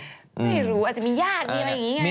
ไม่รู้อาจจะมีญาติมีอะไรอย่างนี้ไง